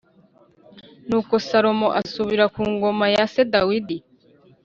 Nuko Salomo asubira ku ngoma ya se Dawidi